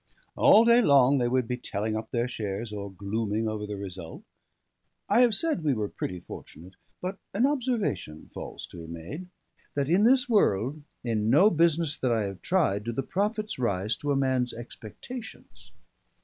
All day long they would be telling up their shares or glooming over the result. I have said we were pretty fortunate. But an observation falls to be made: that in this world, in no business that I have tried, do the profits rise to a man's expectations.